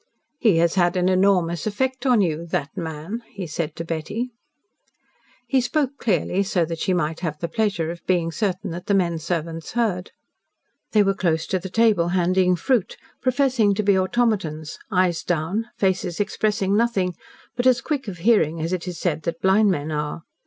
"He has had an enormous effect on you that man," he said to Betty. He spoke clearly so that she might have the pleasure of being certain that the menservants heard. They were close to the table, handing fruit professing to be automatons, eyes down, faces expressing nothing, but as quick of hearing as it is said that blind men are.